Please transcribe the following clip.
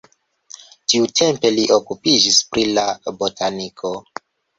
Tiutempe li okupiĝis pri la botaniko.